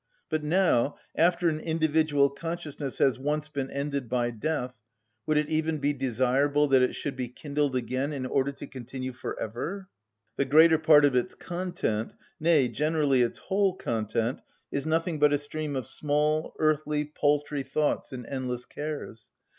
But now, after an individual consciousness has once been ended by death, would it even be desirable that it should be kindled again in order to continue for ever? The greater part of its content, nay, generally its whole content, is nothing but a stream of small, earthly, paltry thoughts and endless cares.